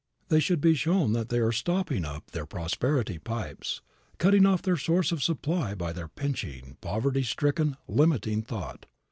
They should be shown that they are stopping up their prosperity pipes, cutting off their source of supply by their pinching, poverty stricken, limiting thought.